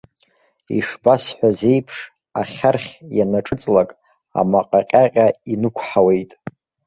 Ишбасҳәаз еиԥш, ахьархь ианаҿыҵлак, амаҟа ҟьаҟьа инықәҳауеит.